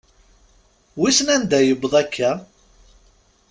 Wisen anda yewweḍ akka?